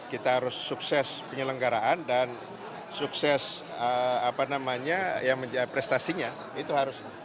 kita harus sukses penyelenggaraan dan sukses prestasinya itu harus